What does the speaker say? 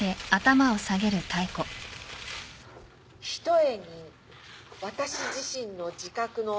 ひとえに私自身の自覚の。